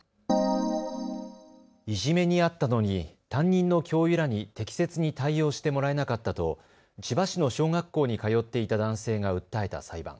いじめに遭ったのに担任の教諭らに適切に対応してもらえなかったと千葉市の小学校に通っていた男性が訴えた裁判。